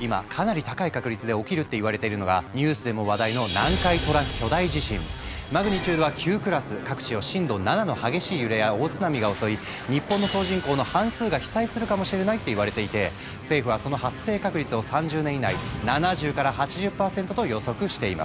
今かなり高い確率で起きるっていわれてるのがニュースでも話題のマグニチュードは９クラス各地を震度７の激しい揺れや大津波が襲い日本の総人口の半数が被災するかもしれないっていわれていて政府はその発生確率を３０年以内７０８０％と予測しています。